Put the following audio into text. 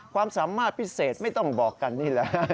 ความสามารถพิเศษไม่ต้องบอกกันนี่แหละ